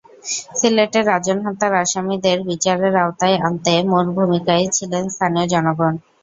সিলেটে রাজন হত্যার আসামিদের বিচারের আওতায় আনতে মূল ভূমিকায় ছিলেন স্থানীয় জনগণ।